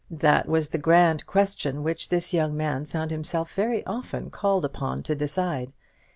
That was the grand question which this young man found himself very often called upon to decide.